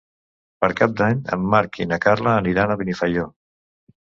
Per Cap d'Any en Marc i na Carla aniran a Benifaió.